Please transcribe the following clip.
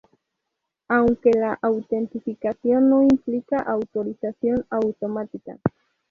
Aunque la autenticación no implica autorización automática.